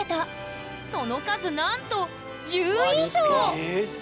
その数なんと１０以上！わ立派！